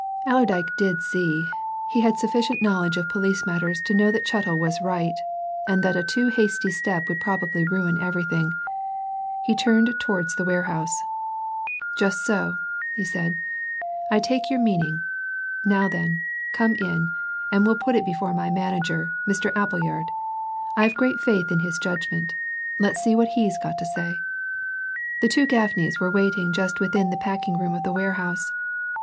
Allerdyke did see. He had sufficient knowledge of police matters to know that Chettle was right, and that a too hasty step would probably ruin everything. He turned towards the warehouse. "Just so," he said. "I take your meaning. Now then, come in, and we'll put it before my manager, Mr. Appleyard. I've great faith in his judgment let's see what he's got to say." The two Gaffneys were waiting just within the packingroom of the warehouse.